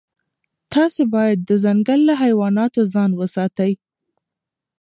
تاسي باید د ځنګل له حیواناتو ځان وساتئ.